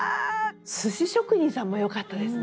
寿司職人さんも良かったですね